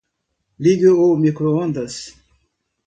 Ligue o microondas